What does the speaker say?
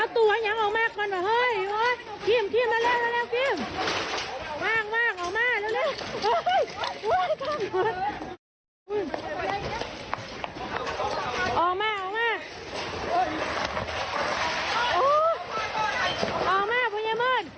ถ่าแล้วเด้ยพี่เบน